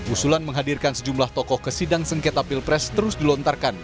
usulan menghadirkan sejumlah tokoh ke sidang sengketa pilpres terus dilontarkan